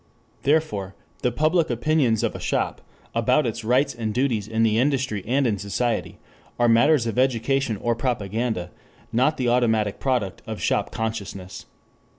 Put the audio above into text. Therefore, the public opinions of a shop about its rights and duties in the industry and in society, are matters of education or propaganda, not the automatic product of shop consciousness.